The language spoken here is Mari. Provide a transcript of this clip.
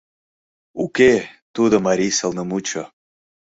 — Уке, тудо марий сылнымутчо.